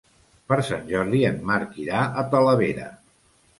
Per Sant Jordi en Marc irà a Talavera.